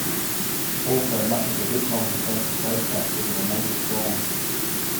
Also, much of the week-long descent to base camp was in a major storm.